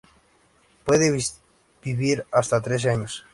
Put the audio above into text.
Puede vivir hasta trece años.